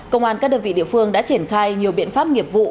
công an các đơn vị địa phương đã triển khai nhiều biện pháp nghiệp vụ